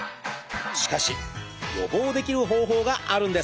しかし予防できる方法があるんです。